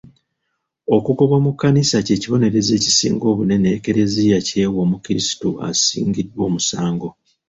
Okugobwa mu kkanisa ky'ekibonerezo ekisinga obunene e Kleziya ky'ewa omukrisitu asingiddwa omusango.